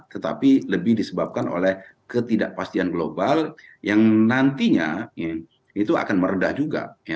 tetapi lebih disebabkan oleh ketidakpastian global yang nantinya itu akan meredah juga